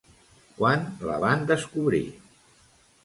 Quan la van descobrir?